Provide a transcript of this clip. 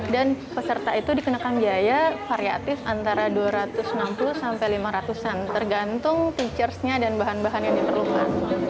dan peserta itu dikenakan biaya variatif antara dua ratus enam puluh lima ratus an tergantung teachersnya dan bahan bahan yang diperlukan